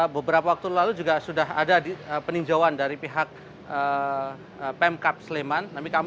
beberapa waktu lalu juga sudah ada peninjauan dari pihak pemkap sleman